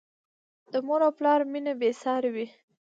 د مور او پلار مینه بې سارې وي.